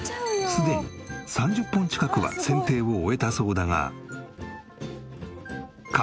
すでに３０本近くは剪定を終えたそうだが。